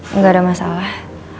enggak ada masalah